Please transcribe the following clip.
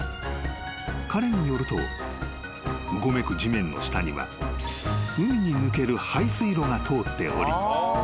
［彼によるとうごめく地面の下には海に抜ける排水路が通っており］